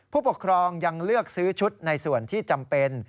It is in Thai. ผู้ปกครองยังเลือกซื้อชุดในส่วนที่จำเป็น